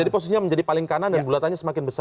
posisinya menjadi paling kanan dan bulatannya semakin besar